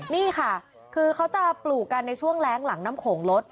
นี่ค่ะคือเขาจะปลูกกันในช่วงแรงหลังน้ำโขงลด